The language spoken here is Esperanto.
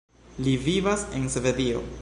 Li vivas en Svedio.